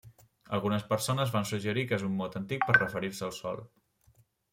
Algunes persones van suggerir que és un mot antic per referir-se al sol.